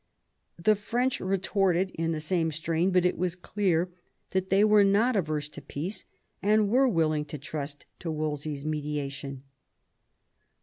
The French retorted in the same strain, but it was clear that they were not averse to peace, and were willing to trust to Wolsey's mediation.